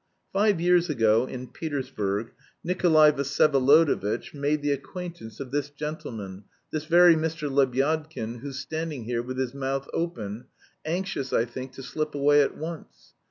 Five years ago, in Petersburg, Nikolay Vsyevolodovitch made the acquaintance of this gentleman, this very Mr. Lebyadkin who's standing here with his mouth open, anxious, I think, to slip away at once.